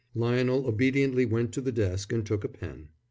Lionel obediently went to the desk and took a pen.